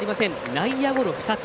内野ゴロ２つ。